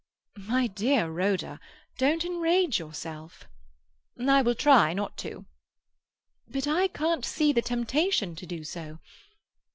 "My dear Rhoda, don't enrage yourself." "I will try not to." "But I can't see the temptation to do so.